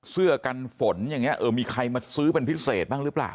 เสื้อกันฝนอย่างนี้เออมีใครมาซื้อเป็นพิเศษบ้างหรือเปล่า